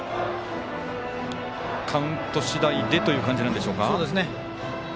カウント次第でという感じなんでしょうか。